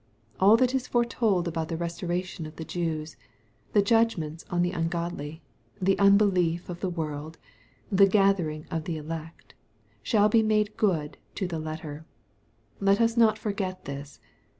All that is foretold about the restoration of the Jews, — the judgments on the un godly, — the unbelief of the world, — the gathering of the elect, — shall be made good to the letter. Let us not forget this.